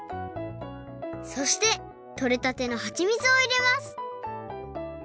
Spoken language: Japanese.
そしてとれたてのはちみつをいれます